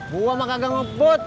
gua mah kagak ngeput